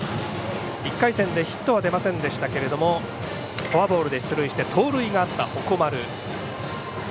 １回戦でヒットは出ませんでしたけれどもフォアボールで出塁して盗塁があった鉾丸。